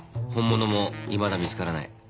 本物もいまだ見つからない。